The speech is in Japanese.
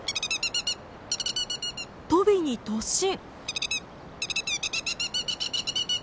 トビに突進！